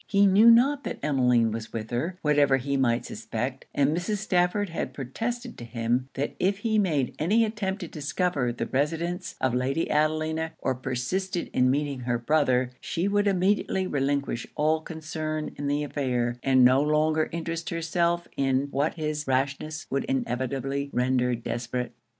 He knew not that Emmeline was with her, whatever he might suspect; and Mrs. Stafford had protested to him, that if he made any attempt to discover the residence of Lady Adelina, or persisted in meeting her brother, she would immediately relinquish all concern in the affair, and no longer interest herself in what his rashness would inevitably render desperate.